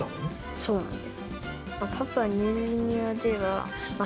そうなんです。